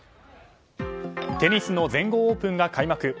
テニスの全豪オープンが開幕。